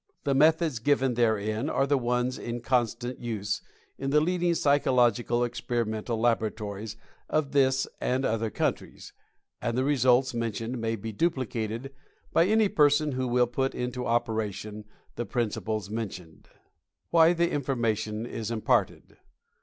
The methods given therein are the ones in constant use in the leading psychological experimental labo ratories of this and other countries, and the results mentioned may be duplicated by any person who will put into operation the principles mentioned. WHY THE INFORMATION IS IMPARTED.